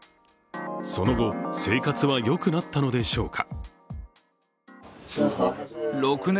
その後、生活は良くなったのでしょうか。